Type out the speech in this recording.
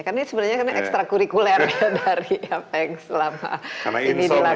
karena ini sebenarnya ekstra kurikuler ya dari apa yang selama ini dilakukan